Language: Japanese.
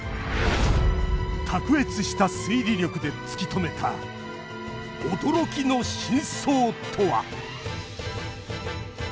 卓越した推理力で突き止めた驚きの真相とは？